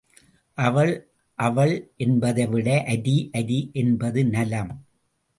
அவள் அவள் என்பதைவிட அரி அரி என்பது நலம்.